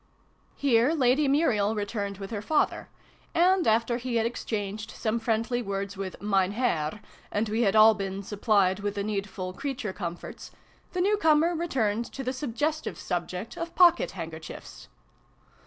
Here Lady Muriel returned with her father ; and, after he had exchanged some friendly words with ' Mein Herr/ and we had all been supplied with the needful ' creature comforts,' the newcomer returned to the suggestive sub ject of Pocket handkerchiefs.